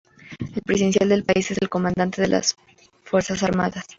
El presidente del país es el Comandante en Jefe de las Fuerzas Armadas.